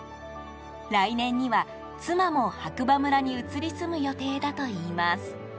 来年には妻も、白馬村に移り住む予定だといいます。